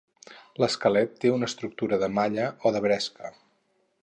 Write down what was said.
L'esquelet té una estructura de malla o de bresca.